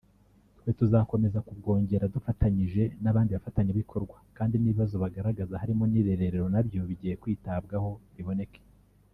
twe tuzakomeza kubwongera dufatanyije n’abandi bafatanyabikorwa kandi n’ibibazo bagaragaza harimo n’irerero nabyo bigiye kwitabwaho riboneke